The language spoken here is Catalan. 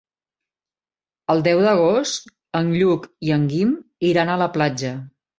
El deu d'agost en Lluc i en Guim iran a la platja.